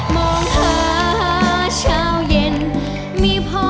มองหาเช้าเย็นไม่พบผ่าน